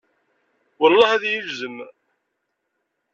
Welleh, ad iyi-ilzem!